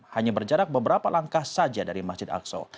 hanya berjarak beberapa langkah saja dari masjid aqsa